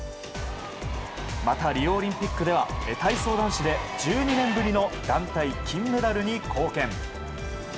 またリオオリンピックでは体操男子で１２年ぶりの団体金メダルに貢献。